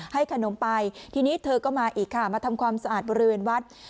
ให้ขนมไปทีนี้เธอก็มาอีกค่ะมาทำความสะอาดบริเวณวัด